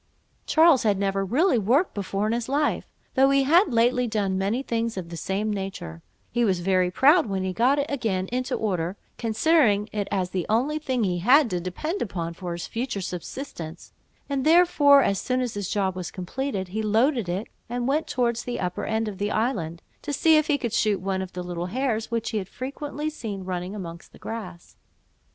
Charles had never really worked before in his life, though he had lately done many things of the same nature: he was very proud when he got it again into order, considering it as the only thing he had to depend upon for his future subsistence; and therefore, as soon as his job was completed, he loaded it, and went towards the upper end of the island, to see if he could shoot one of the little hares which he had frequently seen running amongst the grass.